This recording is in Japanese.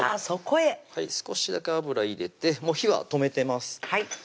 そこへ少しだけ油入れてもう火は止めてます